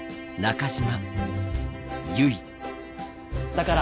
だから。